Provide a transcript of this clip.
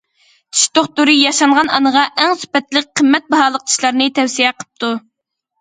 چىش دوختۇرى ياشانغان ئانىغا ئەڭ سۈپەتلىك، قىممەت باھالىق چىشلارنى تەۋسىيە قىپتۇ.